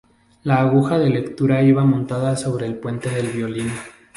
La aguja de lectura iba montada sobre el puente del violín.